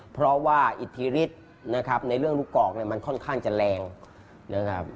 เพราะว่าอิทธิฤทธิ์นะครับในเรื่องลูกกอกมันค่อนข้างจะแรง